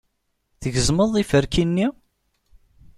Tgezmeḍ iferki-nni?